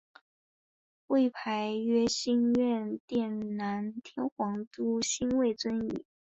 位牌曰兴福院殿南天皇都心位尊仪。